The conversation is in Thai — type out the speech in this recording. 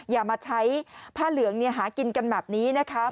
อย่ามาใช้ผ้าเหลืองหากินกันแบบนี้นะคะ